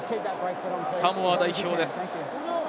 サモア代表です。